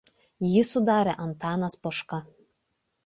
Jį sudarė Antanas Poška.